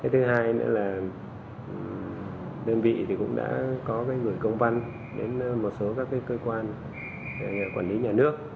thứ hai nữa là đơn vị thì cũng đã có cái gửi công văn đến một số các cái cơ quan quản lý nhà nước